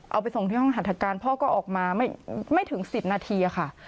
เอาไปส่งที่ห้องหัตถการพ่อก็ออกมาไม่ถึง๑๐นาทีค่ะ